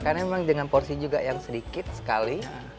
karena memang dengan porsi juga yang sedikit sekali